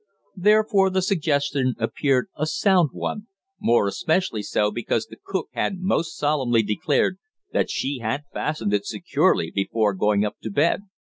Therefore the suggestion appeared a sound one more especially so because the cook had most solemnly declared that she had fastened it securely before going up to bed.